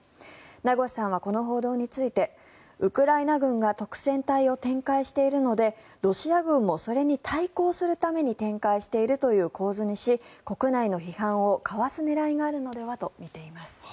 名越さんはこの報道についてウクライナ軍が督戦隊を展開しているのでロシア軍もそれに対抗するために展開しているという構図にし国内の批判をかわす狙いがあるのではとみています。